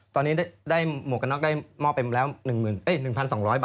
ตอนนี้หมวกกะน็อกได้มอบไปแล้ว๑๒๐๐ใบครับ